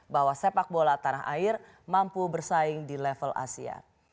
bahwa sepak bola tanah air mampu bersaing di level asia